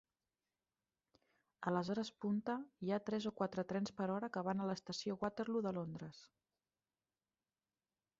A les hores punta hi ha tres o quatre trens per hora que van a l'estació Waterloo de Londres.